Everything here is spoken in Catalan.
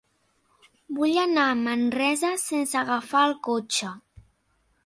Vull anar a Manresa sense agafar el cotxe.